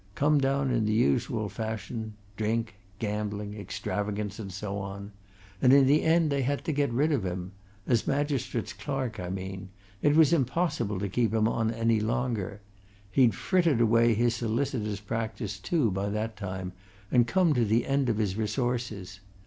Come down in the usual fashion drink, gambling, extravagance and so on. And in the end they had to get rid of him as Magistrates' Clerk, I mean: it was impossible to keep him on any longer. He'd frittered away his solicitor's practice too by that time, and come to the end of his resources.